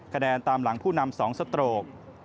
คะแนนตามหลังผู้นำ๒สโตรก